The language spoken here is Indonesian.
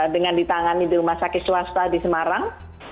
dengan ditangani di rumah sakit swasta di semarang